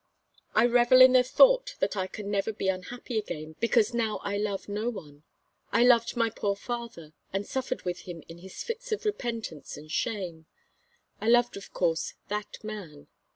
I revel in the thought that I can never be unhappy again, because now I love no one. I loved my poor father, and suffered with him in his fits of repentance and shame. I loved, of course, that man.